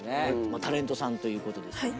タレントさんという事ですけど。